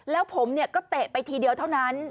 แล้วผมก็เตะไปทีเดียวเท่านั้น